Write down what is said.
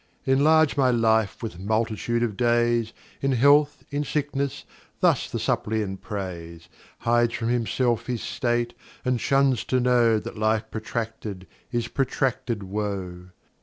Enlarge[l] my Life with Multitude of Days, In Health, in Sickness, thus the Suppliant prays; Hides from himself his State, and shuns to know, That Life protracted is protracted Woe.